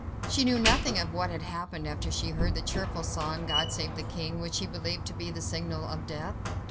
She knew nothing of what had happened after she heard the cheerful song, "God save the King," which she believed to be the signal of death.